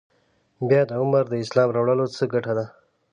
بیا د عمر د اسلام راوړلو څه ګټه ده.